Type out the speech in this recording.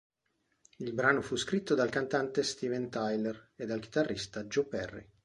Il brano fu scritto dal cantante Steven Tyler e dal chitarrista Joe Perry.